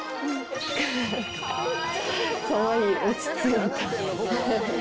かわいい落ち着いた。